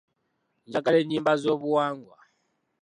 Njagala ennyimba z'obuwangwa.